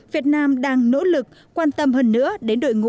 việt nam đang nỗ lực quan tâm hơn nữa đến đội ngũ